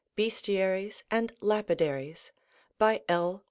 BESTIARIES AND LAPIDARIES BY L.